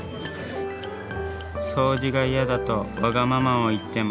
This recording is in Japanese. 掃除が嫌だとわがままを言っても。